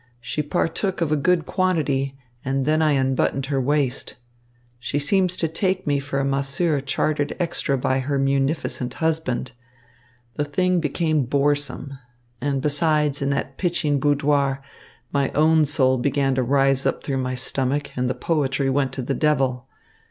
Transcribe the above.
She partook of a goodly quantity, and then I unbuttoned her waist. She seems to take me for a masseur chartered extra by her munificent husband. The thing became boresome. And besides, in that pitching boudoir, my own soul began to rise up through my stomach, and the poetry went to the devil.